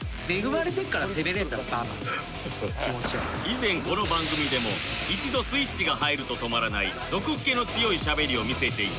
以前この番組でも一度スイッチが入ると止まらない毒っ気の強いしゃべりを見せていた永野